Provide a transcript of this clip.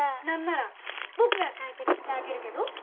なんなら僕が解決してあげるけど。